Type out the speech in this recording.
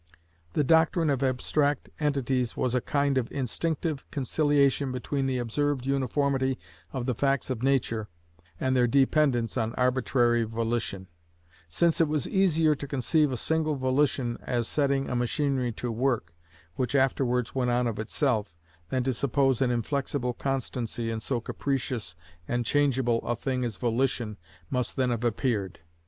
The doctrine of abstract entities was a kind of instinctive conciliation between the observed uniformity of the facts of nature, and their dependence on arbitrary volition; since it was easier to conceive a single volition as setting a machinery to work, which afterwards went on of itself, than to suppose an inflexible constancy in so capricious and changeable a thing as volition must then have appeared.